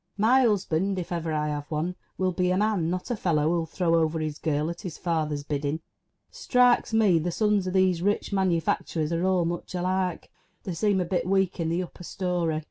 My husband, if ever I have one, will be a man, not a fellow who'll throw over his girl at his father's bidding ! Strikes me the sons of these rich manu facturers are all much alike. They seem a bit weak in the upper storey.